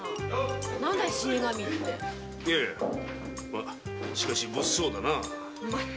まぁしかし物騒だな。